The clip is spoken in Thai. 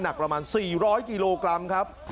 ประมาณ๔๐๐กิโลกรัมครับ